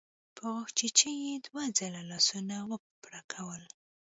په غاښچيچي يې دوه ځله لاسونه وپړکول.